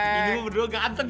ini berdua ganteng